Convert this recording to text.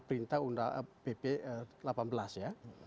perintah undang pp delapan belas ya